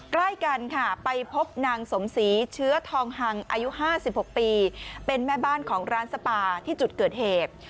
ใกล้กันค่ะไปพบนางสมศรีเชื้อทองหังอายุ๕๖ปีเป็นแม่บ้านของร้านสปาที่จุดเกิดเหตุ